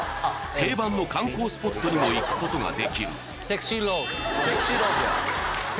定番の観光スポットにも行くことができるＳｅｘｙＲｏｓｅ。